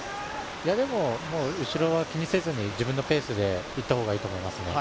でも、後ろは気にせずに自分のペースでいった方がいいと思いますね。